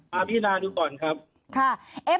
มาพินาดูก่อนครับ